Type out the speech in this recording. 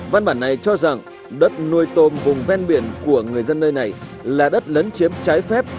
văn bản này cho rằng đất nuôi tôm vùng ven biển của người dân nơi này là đất lấn chiếm trái phép